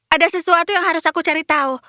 ada sesuatu yang harus aku cari tahu